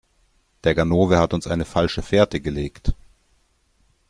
Der Ganove hat uns eine falsche Fährte gelegt.